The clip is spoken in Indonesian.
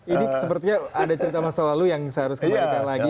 ini sepertinya ada cerita masa lalu yang saya harus kembalikan lagi